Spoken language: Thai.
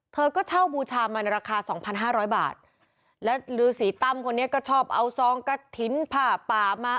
เธอก็เช่าบูชามาในราคาสองพันห้าร้อยบาทแล้วฤษีตั้มคนนี้ก็ชอบเอาซองกระถิ่นผ่าป่ามา